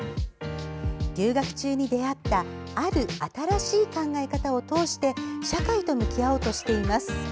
留学中に出会ったある新しい考え方を通して社会と向き合おうとしています。